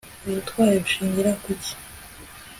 ubutwari bushingira kuki